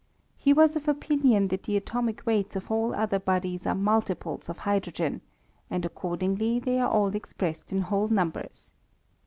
He was of opinion that the atomic weights of all other bodies we multiples of hydrogen; and, accordingly, they are all expressed in whole numbers.